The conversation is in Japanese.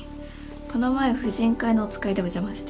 この前婦人会のお使いでお邪魔して。